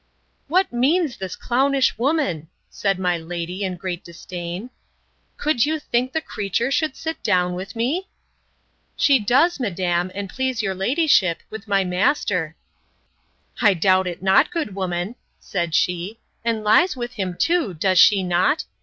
—What means the clownish woman? said my lady, in great disdain: Could you think the creature should sit down with me? She does, madam, and please your ladyship, with my master.—I doubt it not, good woman, said she, and lies with him too, does she not?